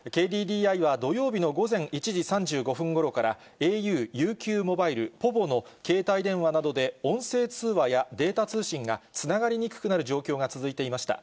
ＫＤＤＩは土曜日の午前１時３５分ごろから、ａｕ、ＵＱモバイル、ポヴォの携帯電話などで、音声通話やデータ通信がつながりにくくなる状況が続いていました。